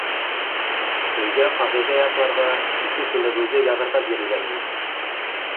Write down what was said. Өйгә ҡағиҙә ятларға, ике күнегеүҙе яҙырға бирелгән ине.